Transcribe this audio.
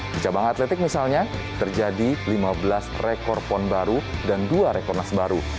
di cabang atletik misalnya terjadi lima belas rekor pon baru dan dua rekornas baru